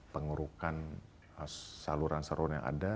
pengurukan saluran saluran yang ada